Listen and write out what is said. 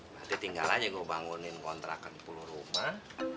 nanti tinggal aja gue bangunin kontrakan sepuluh rumah